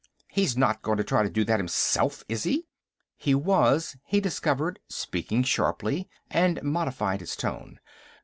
"He's not going to try to do that himself, is he?" He was, he discovered, speaking sharply, and modified his tone.